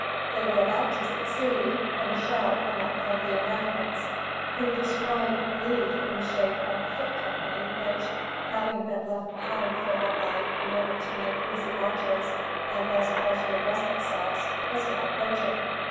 They were about to succeed, when a shout went up from the Americans, who descried relief in the shape of the foot company which, having been left behind for one night in order to make easy marches and thus partially rest themselves, was now approaching.